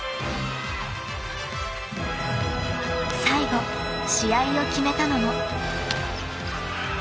［最後試合を決めたのも］